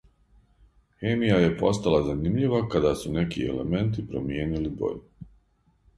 Хемија је постала занимљива када су неки елементи промијенили боју.